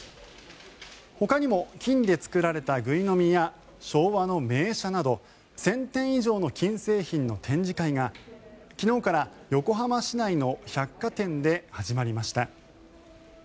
ほかにも金で作られたぐいのみや昭和の名車など１０００点以上の金商品の展示会が昨日から横浜市内の百貨店で始まりました。